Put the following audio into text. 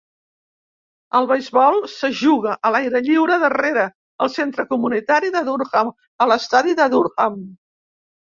El beisbol se juga a l'aire lliure darrere el centre comunitari de Durham, a l'estadi de Durham.